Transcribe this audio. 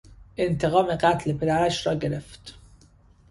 انتقام قتل پدرش را گرفت.